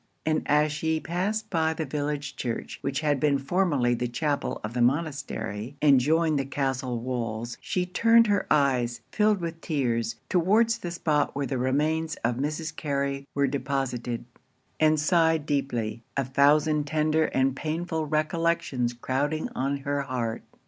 And as she passed by the village church, which had been formerly the chapel of the monastery, and joined the castle walls, she turned her eyes, filled with tears, towards the spot where the remains of Mrs. Carey were deposited, and sighed deeply; a thousand tender and painful recollections crouding on her heart.